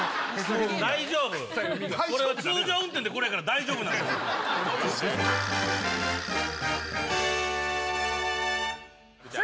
大丈夫これは通常運転でこれやから大丈夫なんです